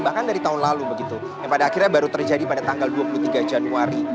bahkan dari tahun lalu begitu yang pada akhirnya baru terjadi pada tanggal dua puluh tiga januari